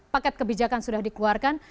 paket kebijakan sudah dikeluarkan